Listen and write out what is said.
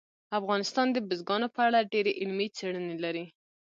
افغانستان د بزګانو په اړه ډېرې علمي څېړنې لري.